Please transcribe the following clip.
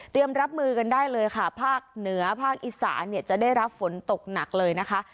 รับมือกันได้เลยค่ะภาคเหนือภาคอีสานเนี่ยจะได้รับฝนตกหนักเลยนะคะ